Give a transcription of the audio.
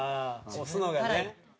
押すのがね。